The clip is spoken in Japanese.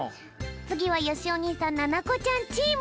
つぎはよしお兄さんななこちゃんチーム。